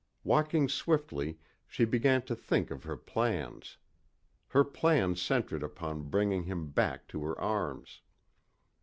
Walking swiftly she began to think of her plans. Her plans centered upon bringing him back to her arms.